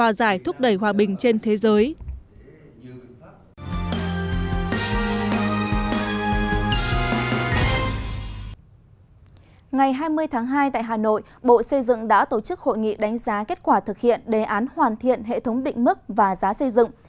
ngày hai mươi tháng hai tại hà nội bộ xây dựng đã tổ chức hội nghị đánh giá kết quả thực hiện đề án hoàn thiện hệ thống định mức và giá xây dựng